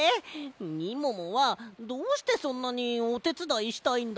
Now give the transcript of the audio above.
みももはどうしてそんなにおてつだいしたいんだ？